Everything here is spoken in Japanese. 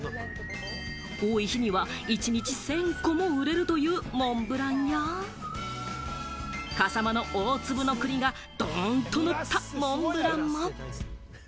多い日には一日１０００個も売れるというモンブランや、笠間の大粒の栗がドーンとのったモンブランも。